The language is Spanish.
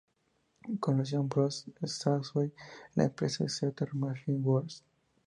Conoció a Ambrose Swasey en la empresa "Exeter Machine Works".